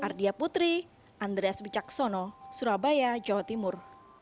ardia putri andreas bijaksono surabaya jawa timur